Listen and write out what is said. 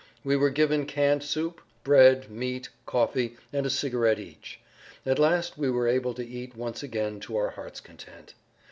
We were given canned soup, bread, meat, coffee, and a cigarette each. At last we were able to eat once again to our hearts' content.